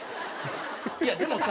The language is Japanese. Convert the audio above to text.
いやでもさ。